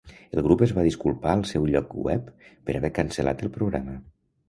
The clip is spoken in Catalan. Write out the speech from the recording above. El grup es va disculpar al seu lloc web per haver cancel·lat el programa.